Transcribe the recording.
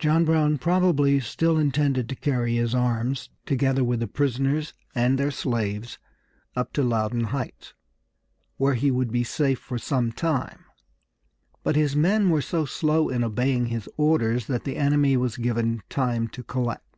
John Brown probably still intended to carry his arms, together with the prisoners and their slaves, up to Loudoun Heights, where he would be safe for some time, but his men were so slow in obeying his orders that the enemy was given time to collect.